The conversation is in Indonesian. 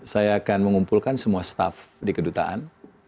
saya akan mengumpulkan semua staff di kedutaan